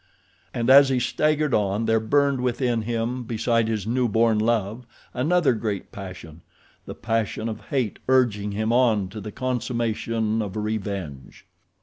And as he staggered on there burned within him beside his newborn love another great passion—the passion of hate urging him on to the consummation of revenge.